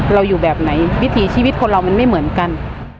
อยู่แบบไหนวิถีชีวิตคนเรามันไม่เหมือนกัน